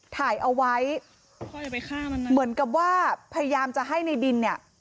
ถ่ายเอาไว้เหมือนกับว่าพยายามจะให้ในบินเนี่ย